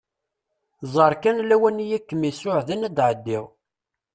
Ẓer kan lawan i akem-isuɛden ad d-ɛeddiɣ.